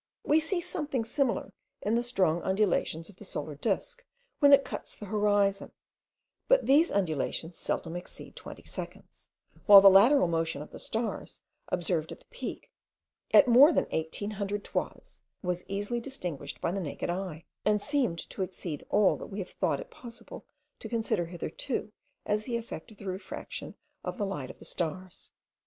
We see something similar in the strong undulations of the solar disk, when it cuts the horizon; but these undulations seldom exceed twenty seconds, while the lateral motion of the stars, observed at the peak, at more than 1800 toises, was easily distinguished by the naked eye, and seemed to exceed all that we have thought it possible to consider hitherto as the effect of the refraction of the light of the stars.